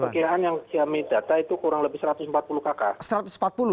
perkiraan yang kami data itu kurang lebih satu ratus empat puluh kakak